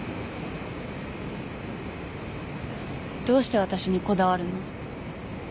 どうして私にこだわるの？